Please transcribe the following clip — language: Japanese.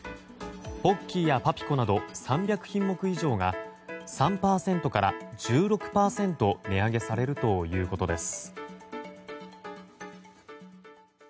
ポッキーやパピコなど３００品目以上が、３％から１６％値上げされるということです。